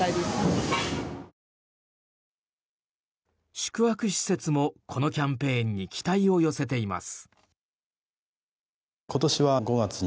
宿泊施設もこのキャンペーンに期待を寄せています。